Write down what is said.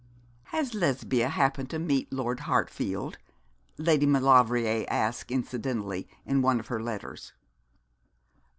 'Has Lesbia happened to meet Lord Hartfield?' Lady Maulevrier asked, incidentally, in one of her letters.